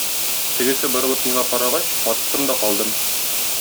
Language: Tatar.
Тегесе борылып миңа карагач, каттым да калдым.